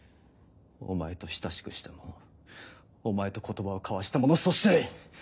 お前と親しくした者お前と言葉を交わした者そして！